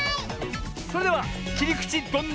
それでは「きりくちどんなでショー」。